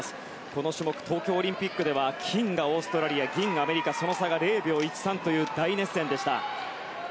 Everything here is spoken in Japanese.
この種目、東京オリンピックでは金がオーストラリア銀がアメリカその差が０秒１３という大熱戦でした。